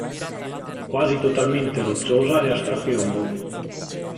Quasi totalmente rocciosa e a strapiombo.